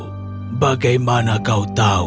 oh bagaimana kau tahu